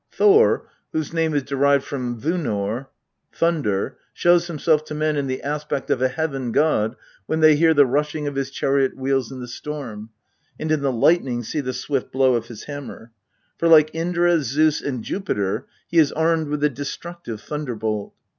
Thor, whose name is derived from \unor (thunder), shows himself to men in the aspect of a heaven god when they hear the rushing of his chariot wheels in the storm, and in the lightning see the swift blow of his hammer; for, like Indra, Zeus, and Jupiter, he is armed with the destructive thunderbolt.